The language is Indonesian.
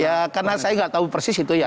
ya karena saya nggak tahu persis itu ya